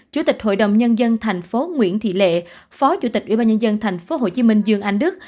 chủ tịch hội đồng nhân dân tp nguyễn thị lệ phó chủ tịch ubnd tp hcm dương anh đức